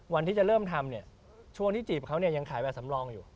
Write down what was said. ที่จะเริ่มทำเนี่ยช่วงที่จีบเขาเนี่ยยังขายแบบสำรองอยู่